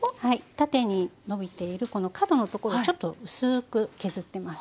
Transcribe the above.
縦にのびている角のところをちょっと薄く削ってます。